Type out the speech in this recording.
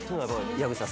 矢口さん